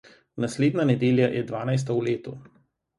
Naslednja nedelja je dvanajsta v letu.